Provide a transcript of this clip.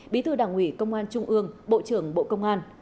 bí thư đảng ủy công an trung ương bộ trưởng bộ công an